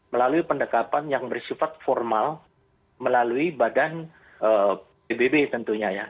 melalui pendekatan yang bersifat formal melalui badan pbb tentunya ya